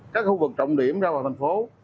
các khu vực trọng điểm ra vào thành phố